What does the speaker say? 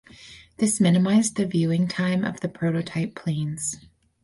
This minimized the viewing time of the prototype planes.